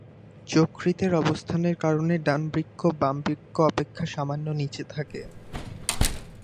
যকৃতের অবস্থানের কারণে ডান বৃক্ক বাম বৃক্ক অপেক্ষা সামান্য নিচে থাকে।